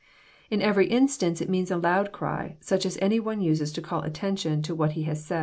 In every instance it means a loud cry, such as any one uses to call attention to what he has to say.